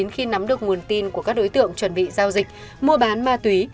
khi nắm được nguồn tin của các đối tượng chuẩn bị giao dịch mua bán ma túy